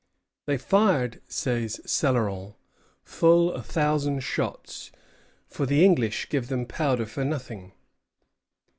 "They fired," says Céloron, "full a thousand shots; for the English give them powder for nothing."